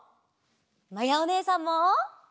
まやおねえさんも！